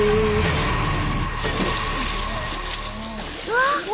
うわ！